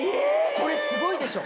これすごいでしょ？